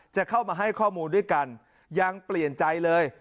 จะเข้ามาให้ข้อมูลด้วยกันยังเปลี่ยนใจเลย